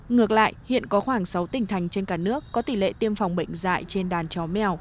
ngược lại hiện có khoảng sáu tỉnh thành trên cả nước có tỷ lệ tiêm phòng bệnh dạy trên đàn chó mèo